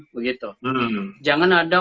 begitu jangan ada